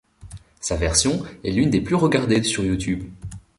Sa version est l'une des plus regardées sur Youtube.